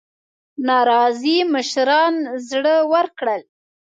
ناراضي مشران زړه ورکړل.